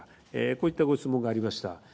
こういったご質問がありました。